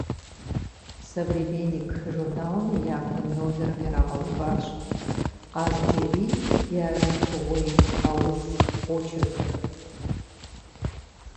«Современник» журналым и япэ номерым ирагъэуващ Къаз-Джэрий и «Ажэтыгъуей ауз» очеркыр.